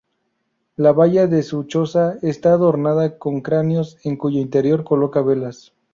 La valla de su choza está adornada con cráneos, en cuyo interior coloca velas.